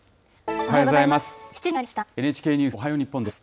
おはようございます。